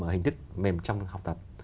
hình thức mềm trong học tập